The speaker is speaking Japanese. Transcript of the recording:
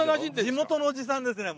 地元のおじさんですね